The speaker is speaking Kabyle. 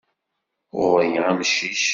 Ɣur-i amcic.